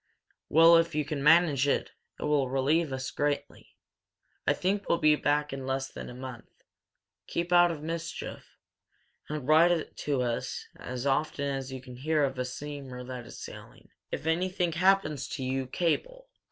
Well, if you can manage, it will relieve us greatly. I think we'll be back in less than a month. Keep out of mischief. And write to us as often as you can hear of a steamer that is sailing. If anything happens to you, cable.